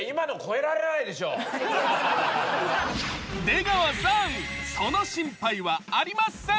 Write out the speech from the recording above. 出川さんその心配はありません。